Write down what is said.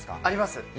あります。